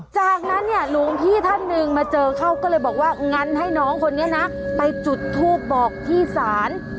จากนั้นเนี่ยหลวงพี่ท่านหนึ่งมาเจอเขาก็เลยบอกว่างั้นให้น้องคนนี้นะไปจุดทูบบอกที่ศาล